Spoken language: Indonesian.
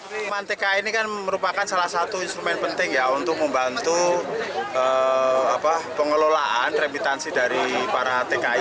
reman tki ini kan merupakan salah satu instrumen penting ya untuk membantu pengelolaan remitansi dari para tki